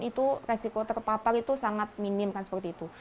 itu resiko terpapar itu sangat minim kan seperti itu